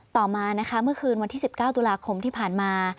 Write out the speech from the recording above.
ต่อมานะคะเมื่อคืนวันที่๑๙ตุลาคมที่ผ่านมา